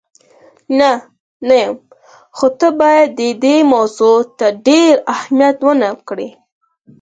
نه، نه یم، خو ته باید دې موضوع ته ډېر اهمیت ور نه کړې.